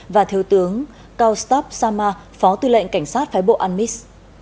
và thứ tướng kaustaf sama phó tư lệnh cảnh sát phái bộ anmis